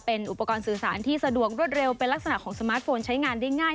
เป็นอุปกรณ์สื่อสารที่สะดวกรวดเร็วเป็นลักษณะของสมาร์ทโฟนใช้งานได้ง่าย